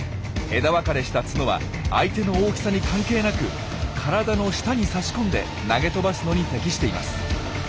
枝分かれした角は相手の大きさに関係なく体の下に差し込んで投げ飛ばすのに適しています。